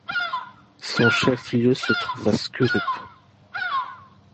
Son chef-lieu se trouve à Skurup.